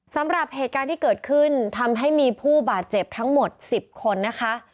สำหรับเหตุการณ์ที่เกิดขึ้นทำให้มีผู้บาดเจ็บทั้งหมด๑๐คนนะคะ